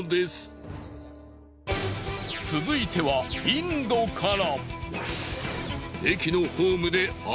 続いてはインドから。